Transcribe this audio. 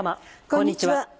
こんにちは。